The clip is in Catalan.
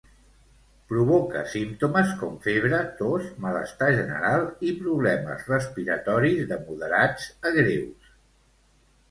Provoca símptomes com febre, tos, malestar general i problemes respiratoris de moderats a greus.